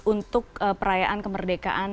untuk perayaan kemerdekaan